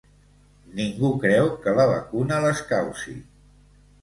"Ningú creu que la vacuna les causi".